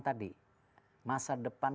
tadi masa depan